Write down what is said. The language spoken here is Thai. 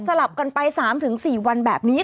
ลับกันไป๓๔วันแบบนี้